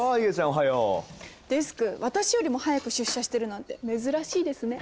デスク私よりも早く出社してるなんて珍しいですね。